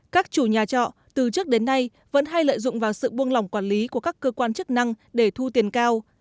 các chủ nhà trọ từ trước đến nay vẫn hay lợi dụng vào sự buông lỏng quản lý của các cơ quan chức năng để thu tiền cao